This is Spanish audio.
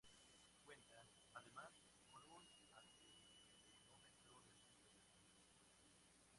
Cuenta, además, con un acelerómetro en su interior.